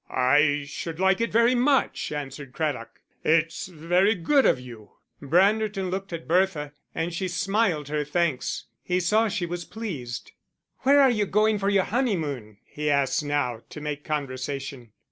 "I should like it very much," answered Craddock. "It's very good of you." Branderton looked at Bertha, and she smiled her thanks; he saw she was pleased. "Where are you going for your honeymoon?" he asked now, to make conversation.